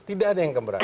tidak ada yang keberatan